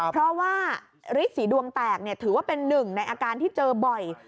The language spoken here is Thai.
เพราะว่าฤทธิสีดวงแตกถือว่าเป็นหนึ่งในอาการที่เจอบ่อย